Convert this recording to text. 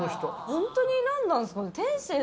ホントになんなんですかね？